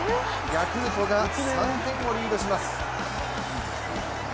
ヤクルトが３点をリードします。